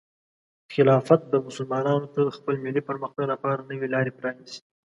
خلافت به مسلمانانو ته د خپل ملي پرمختګ لپاره نوې لارې پرانیزي.